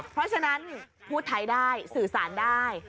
เพราะฉะนั้นพูดไทยได้สื่อสารได้